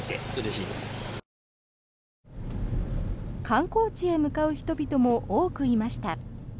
観光地へ向かう人々も多くいました。